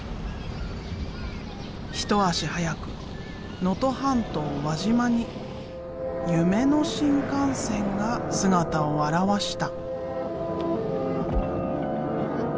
一足早く能登半島輪島に夢の新幹線が姿を現した。